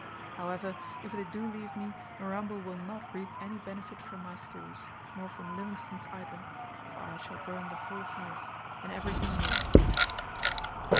However, if they do leave me, Mirambo will not reap any benefit from my stores, nor from Livingstone's either, for I shall burn the whole house, and everything in it.